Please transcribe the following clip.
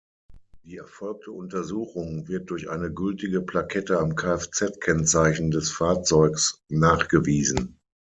Die erfolgte Untersuchung wird durch eine gültige Plakette am Kfz-Kennzeichen des Fahrzeugs nachgewiesen.